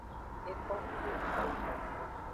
Exohayahaya.